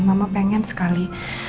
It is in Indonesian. mama pengen sekali